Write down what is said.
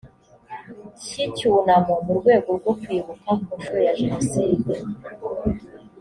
cy icyunamo mu rwego rwo kwibuka ku nshuro ya jenoside